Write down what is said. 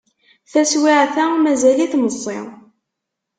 Taswiεt-a mazal-it meẓẓi.